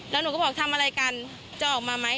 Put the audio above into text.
แล้วหนูก็บอกทำอะไรกันจะออกมาไหม